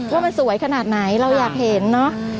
ว่ามันสวยขนาดไหนเราอยากเห็นเนอะ